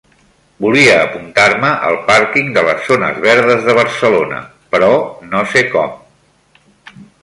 Volia apuntar-me al parking de les zones verdes de Barcelona, però no sé com.